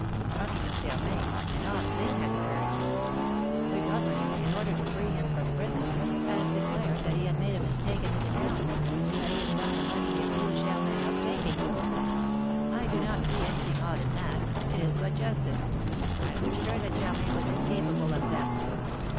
"Talking of Germain, an odd thing has occurred. The governor, in order to free him from prison, has declared that he made a mistake in his accounts, and that he has found the money he accused Germain of taking." "I do not see anything odd in that, it is but justice. I was sure that Germain was incapable of theft."